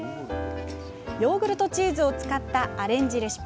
ヨーグルトチーズを使ったアレンジレシピ。